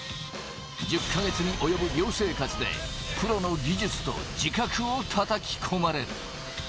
１０か月に及ぶ寮生活でプロの技術と自覚を叩き込まれる。